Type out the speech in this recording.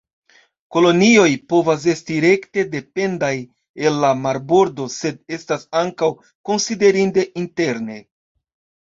Kolonioj povas esti rekte dependaj el la marbordo sed estas ankaŭ konsiderinde interne.